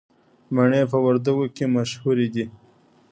مڼې په وردګو کې مشهورې دي